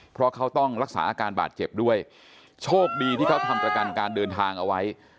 เพราะเขาต้องรักษาอาการบาดเจ็บด้วยโชคดีที่เขาทำประกันการเดินทางเอาไว้